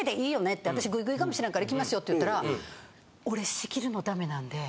ってあたしグイグイかもしらんからいきますよって言ったら「俺仕切るのダメなんで」。